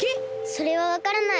それはわからない。